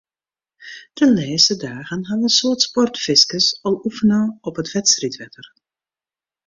De lêste dagen hawwe in soad sportfiskers al oefene op it wedstriidwetter.